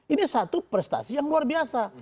ini satu prestasi yang luar biasa